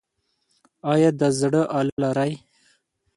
ایا د زړه آله لرئ؟